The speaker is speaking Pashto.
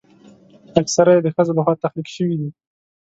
اکثره یې د ښځو لخوا تخلیق شوي دي.